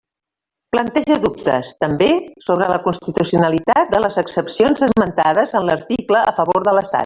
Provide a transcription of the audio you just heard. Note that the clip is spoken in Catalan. Planteja dubtes, també, sobre la constitucionalitat de les excepcions esmentades en l'article a favor de l'Estat.